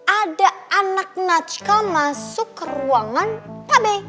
ada anak nacika masuk ke ruangan pak b